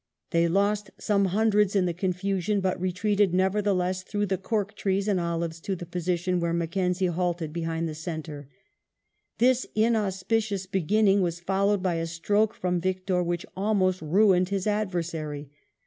They lost some hundreds in the confusion, but retreated, never theless, through the cork trees and olives to the position, where Mackenzie halted behind the centra This in auspicious beginning was followed by a stroke from Victor which almost ruined his adversary.